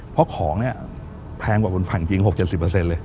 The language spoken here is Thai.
เพราะของเนี่ยแพงกว่าบนฝั่งจริง๖๗๐เลย